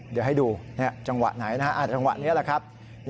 เดี๋ยวให้ดูจังหวะไหนนะฮะจังหวะนี้แหละครับ